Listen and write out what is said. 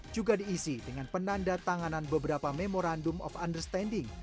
juga diisi dengan penanda tanganan beberapa memorandum of understanding